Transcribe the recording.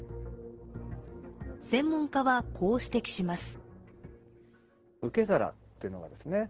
専門家は、こう指摘します。